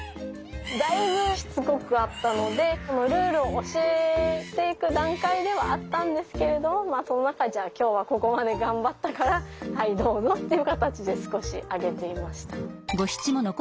だいぶしつこかったのでルールを教えていく段階ではあったんですけれどもその中でじゃあ今日はここまで頑張ったからはいどうぞっていう形で少しあげていました。